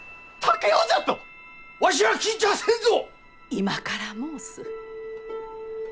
今から申す。